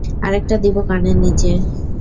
আরেকটা দিবো কানের নিচে?